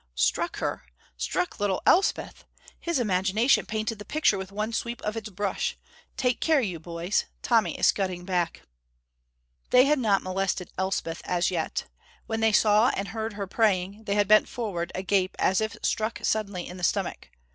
Struck her! Struck little Elspeth! His imagination painted the picture with one sweep of its brush. Take care, you boys, Tommy is scudding back. They had not molested Elspeth as yet. When they saw and heard her praying, they had bent forward, agape, as if struck suddenly in the stomach.